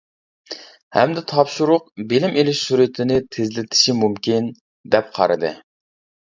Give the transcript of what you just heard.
ھەمدە تاپشۇرۇق بىلىم ئېلىش سۈرئىتىنى تېزلىتىشى مۇمكىن، دەپ قارىدى.